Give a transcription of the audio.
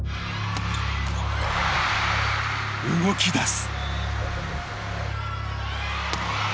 動き出す。